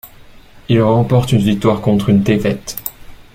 Il remporte une victoire, contre une défaite.